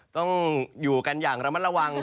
ต้องอยู่กันอย่างระมัดระวัง